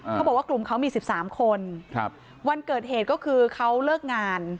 เขาบอกว่ากลุ่มเขามี๑๓คนวันเกิดเหตุก็คือเขาเลิกงาน